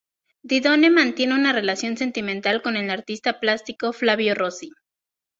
Didone mantiene una relación sentimental con el artista plástico Flavio Rossi.